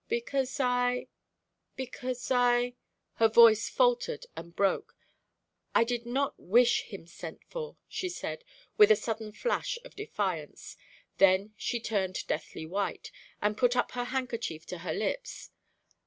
"Because I because I" Her voice faltered and broke. "I did not wish him sent for," she said, with a sudden flash of defiance. Then she turned deathly white, and put up her handkerchief to her lips.